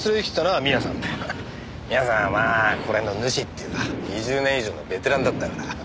宮さんはまあここら辺の主っていうか２０年以上のベテランだったから。